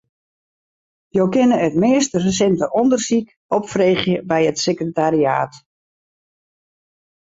Jo kinne it meast resinte ûndersyk opfreegje by it sekretariaat.